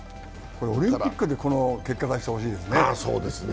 オリンピックでこの結果出してほしいですね。